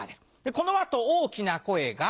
この後大きな声が。